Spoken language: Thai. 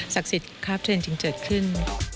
ศักดิ์สิทธิ์คราฟเทรนด์จึงเจิดขึ้น